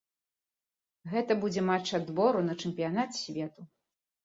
Гэта будзе матч адбору на чэмпіянат свету.